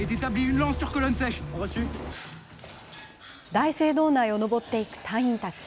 大聖堂内を上っていく隊員たち。